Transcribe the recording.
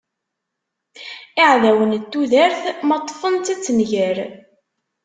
Iɛdawen n tudert, ma ṭṭfen-tt ad tenger.